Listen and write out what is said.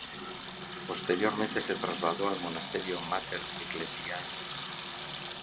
Posteriormente se trasladó al Monasterio Mater Ecclesiae.